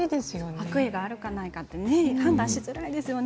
悪意があるかないか判断が難しいですよね。